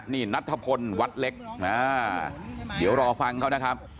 นี่นัทธพลวัดเล็กเดี๋ยวรอฟังเขานะครับ